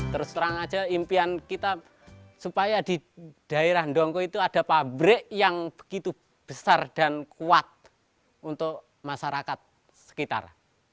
terus terang aja impian kita supaya di daerah dongko itu ada pabrik yang begitu besar dan kuat untuk masyarakat sekitar